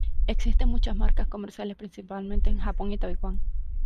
Existen muchas marcas comerciales, principalmente en Japón y Taiwan.